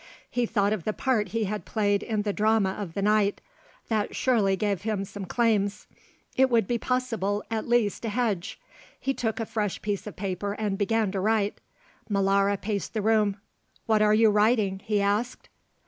He thought of the part he had played in the drama of the night. That surely gave him some claims; it would be possible at least to hedge. He took a fresh piece of paper and began to write. Molara paced the room. "What are you writing?" he asked.